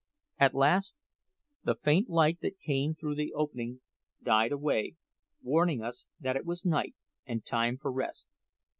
At last the faint light that came through the opening died away, warning us that it was night and time for rest.